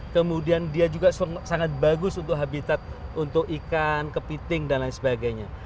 kemudian dia juga sangat bagus untuk habitat untuk ikan kepiting dan lain sebagainya